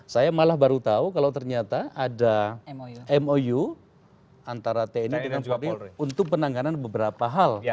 saya malah baru tahu kalau ternyata ada mou antara tni dengan polri untuk penanganan beberapa hal